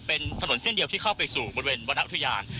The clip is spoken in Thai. เป็นถนนเส้นเดียวที่เข้าไปสู่บริเวณวรรณอุทยาน